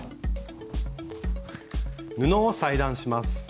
布を裁断します。